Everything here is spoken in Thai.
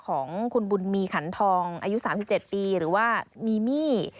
ของคุณบุญมีขันทองอายุ๓๗ปีหรือว่ามีมี่